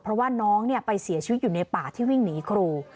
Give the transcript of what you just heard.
เพราะว่าน้องไปเสียชีวิตอยู่ในป่าที่วิ่งหนีครู